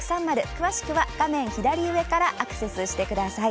詳しくは画面左上からアクセスしてください。